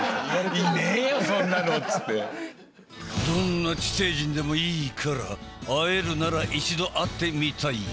どんな地底人でもいいから会えるなら一度会ってみたいよのう。